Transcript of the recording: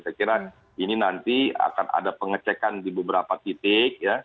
saya kira ini nanti akan ada pengecekan di beberapa titik